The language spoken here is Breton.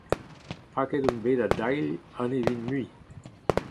Paket on bet a-dailh ha ne vin mui.